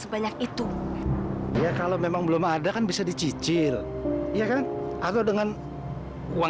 parcifis akan menuntut akan milih bersama chord plan dan